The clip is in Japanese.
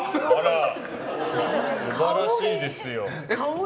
素晴らしいですよ。